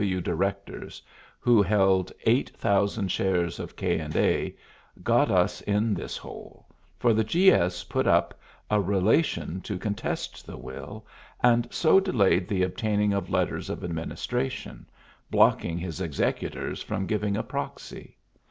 W. directors, who held eight thousand shares of K. & A., got us in this hole, for the G. S. put up a relation to contest the will, and so delayed the obtaining of letters of administration, blocking his executors from giving a proxy.